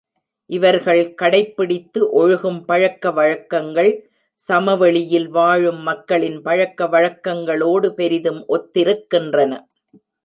இவர்கள் கடைப்பிடித்து ஒழுகும் பழக்க வழக்கங்கள், சமவெளி யில் வாழும் மக்களின் பழக்க வழக்கங்களோடு பெரிதும் ஒத்திருக்கின்றன.